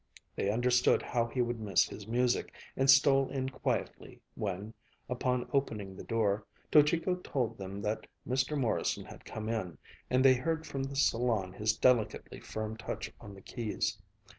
They understood how he would miss his music, and stole in quietly when, upon opening the door, Tojiko told them that Mr. Morrison had come in, and they heard from the salon his delicately firm touch on the keys.